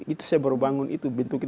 itu saya baru bangun itu bentuknya